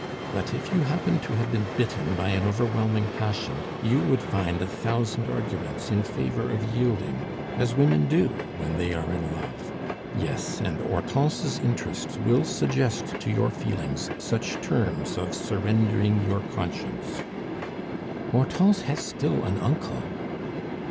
But if you happened to have been bitten by an overwhelming passion, you would find a thousand arguments in favor of yielding as women do when they are in love. Yes, and Hortense's interests will suggest to your feelings such terms of surrendering your conscience " "Hortense has still an uncle."